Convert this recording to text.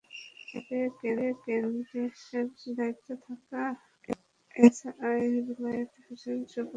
এতে কেন্দ্রের দায়িত্বে থাকা এসআই বেলায়েত হোসেনসহ পুলিশের ছয়জন সদস্য গুলিবিদ্ধ হন।